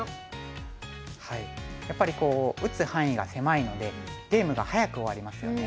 やっぱり打つ範囲が狭いのでゲームが早く終わりますよね。